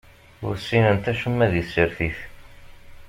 Ur ssinent acemma di tsertit.